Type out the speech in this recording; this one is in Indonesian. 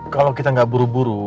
kalau kita nggak buru buru